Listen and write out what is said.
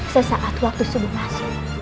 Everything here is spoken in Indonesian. sesaat waktu sebelum masuk